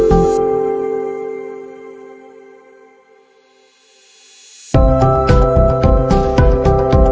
จริงจริงจริงจริงจริงจริงจริงจริงจริง